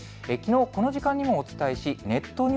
きのうこの時間にもお伝えしネット